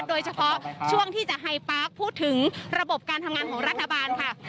โดยเฉพาะช่วงที่จะไฮปาร์คพูดถึงระบบการทำงานของรัฐบาลค่ะ